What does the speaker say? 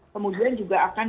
kemudian juga akan